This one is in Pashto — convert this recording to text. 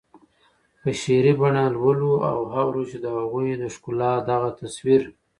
په شعري بڼه لولو او اورو چې د هغوی د ښکلا دغه تصویر